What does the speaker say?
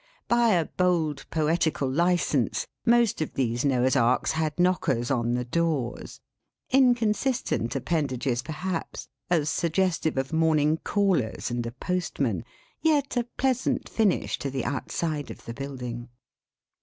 By a bold poetical license, most of these Noah's Arks had knockers on the doors; inconsistent appendages perhaps, as suggestive of morning callers and a Postman, yet a pleasant finish to the outside of the building.